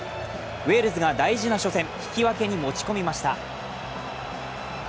ウェールズが大事な初戦引き分けに持ち込みました。